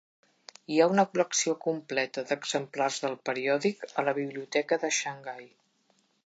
Hi ha una col·lecció completa d'exemplars del periòdic a la Biblioteca de Xangai.